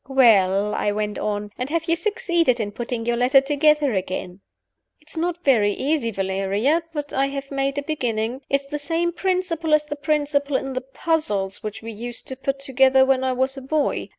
"Well," I went on; "and have you succeeded in putting your letter together again?" "It's not very easy, Valeria. But I have made a beginning. It's the same principle as the principle in the 'Puzzles' which we used to put together when I was a boy.